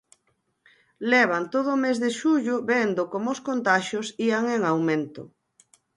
Levan todo o mes de xullo vendo como os contaxios ían en aumento.